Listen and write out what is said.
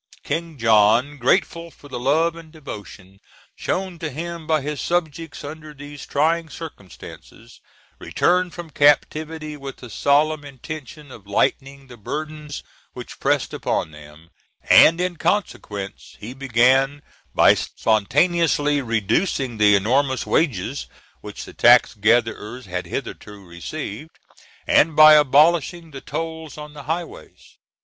King John, grateful for the love and devotion shown to him by his subjects under these trying circumstances, returned from captivity with the solemn intention of lightening the burdens which pressed upon them, and in consequence be began by spontaneously reducing the enormous wages which the tax gatherers had hitherto received, and by abolishing the tolls on highways.